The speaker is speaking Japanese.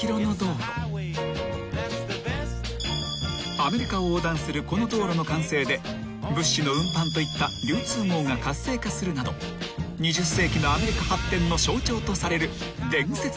［アメリカを横断するこの道路の完成で物資の運搬といった流通網が活性化するなど２０世紀のアメリカ発展の象徴とされる］